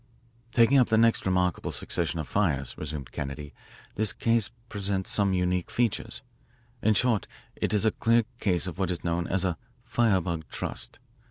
"Taking up next the remarkable succession of fires," resumed Kennedy, "this case presents some unique features. In short, it is a clear case of what is known as a 'firebug trust.'